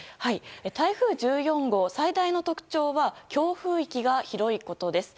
台風１４号最大の特徴は強風域が広いことです。